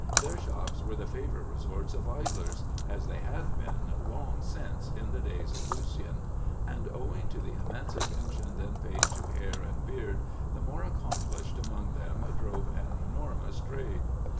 Their shops were the favorite resorts of idlers, as they had been long since in the days of Lucian; and owing to the immense attention then paid to hair and beard, the more accomplished among them drove an enormous trade.